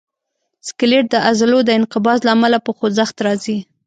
سکلیټ د عضلو د انقباض له امله په خوځښت راځي.